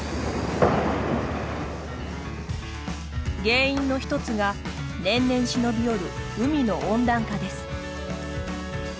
原因の一つが年々忍び寄る海の温暖化です。